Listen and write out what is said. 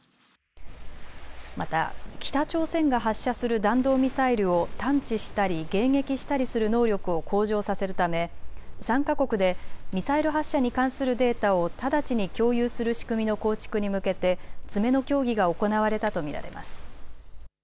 また北朝鮮が発射する弾道ミサイルを探知したり迎撃したりする能力を向上させるため、３か国でミサイル発射に関するデータを直ちに共有する仕組みの構築に向けて詰めの協議が行われたと見られます。